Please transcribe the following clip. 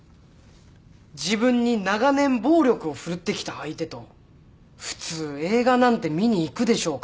自分に長年暴力を振るってきた相手と普通映画なんて見に行くでしょうか？